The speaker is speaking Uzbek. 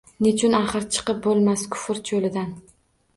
Nechun axir chiqib boʼlmas kufr choʼlidan.